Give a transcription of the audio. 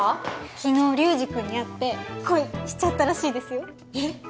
昨日流司君に会って恋しちゃったらしいですよえっ？